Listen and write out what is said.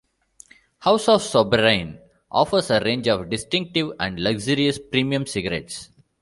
House of Sobranie offers a range of distinctive and luxurious premium cigarettes.